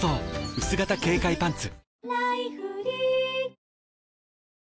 「うす型軽快パンツ」